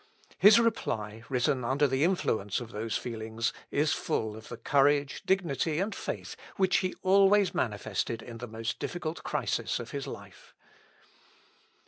His reply, written under the influence of those feelings, is full of the courage, dignity, and faith, which he always manifested in the most difficult crisis of his life.